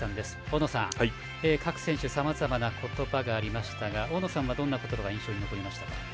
大野さん、各選手さまざまな言葉がありましたが大野さんはどんな言葉が印象に残りましたか。